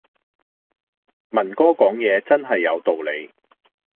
文哥講嘢真係有道理